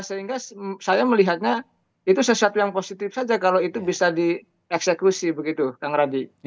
sehingga saya melihatnya itu sesuatu yang positif saja kalau itu bisa dieksekusi begitu kang radi